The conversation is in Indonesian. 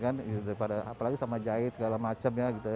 apalagi sama jahit segala macam